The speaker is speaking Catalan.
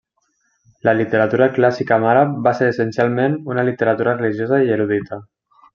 La literatura clàssica en àrab va ser essencialment una literatura religiosa i erudita.